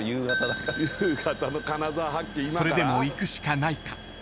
［それでも行くしかないか？］